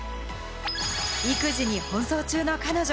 育児に奔走中の彼女。